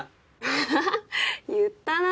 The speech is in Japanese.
アハハ言ったな。